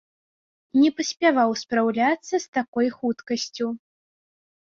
Не паспяваў спраўляцца з такой хуткасцю.